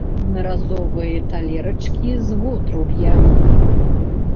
Аднаразовыя талерачкі з вотруб'я!